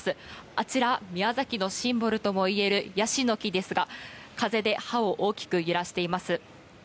あちら、宮崎のシンボルともいえる、ヤシの木ですが風で葉を大きく揺らしています。